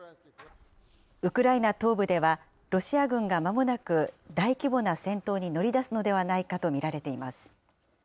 ウクライナ東部ではロシア軍がまもなく大規模な戦闘に乗り出すのではないかと見られています。